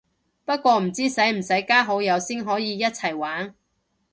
不過唔知使唔使加好友先可以一齊玩